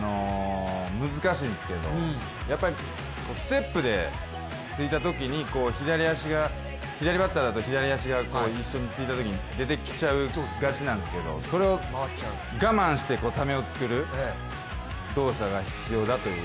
難しいんですけどやっぱりステップでついたときに左バッターだと左足が一緒についたときに出てきちゃいがちなんですけれどもそれを我慢してためを作る動作が必要だと。